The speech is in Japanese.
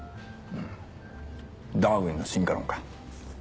うんダーウィンの進化論か。